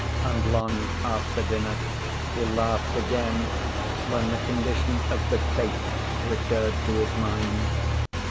And long after dinner he laughed again when the condition of the "cape" recurred to his mind.